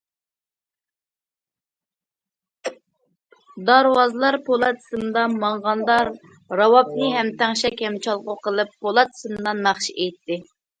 دارۋازلار پولات سىمدا ماڭغاندا راۋابنى ھەم تەڭشەك ھەم چالغۇ قىلىپ پولات سىمدا ناخشا ئېيتتى.